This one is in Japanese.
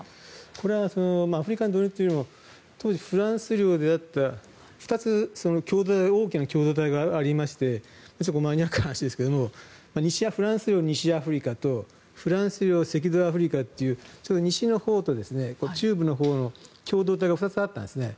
これはアフリカに導入というよりも当時、フランス領であった２つ、大きな共同体がありましてマニアックな話ですが西はフランス領西アフリカとフランス領赤道アフリカという西のほうと中部のほうの共同体が２つあったんですね。